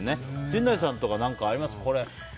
陣内さんとか何かあります？